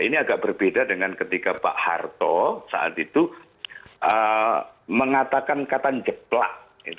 ini agak berbeda dengan ketika pak harto saat itu mengatakan kata jeplak